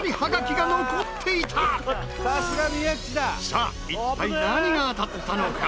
さあ一体何が当たったのか？